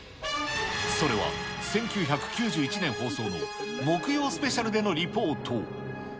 それは１９９１年放送の木曜スペシャルでのリポート。